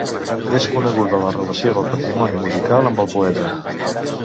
És coneguda la relació del patrimoni musical amb el poeta.